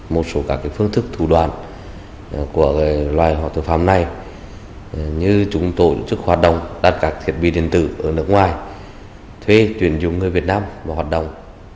một số các phương thức thủ đoàn của loài họa thực phẩm này như chúng tôi chức hoạt động đặt các thiết bị điện tử ở nước ngoài thuê chuyển dụng người việt nam vào hoạt động